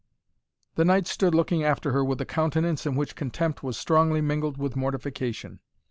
The knight stood looking after her with a countenance in which contempt was strongly mingled with mortification.